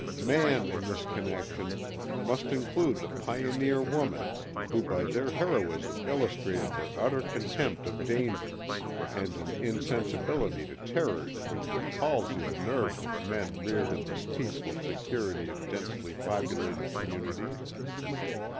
Man in this connection must include the pioneer women who by their heroism illustrated their utter contempt of danger, and an insensibility to terrors which would palsy the nerves of men reared in the peaceful security of densely populated communities.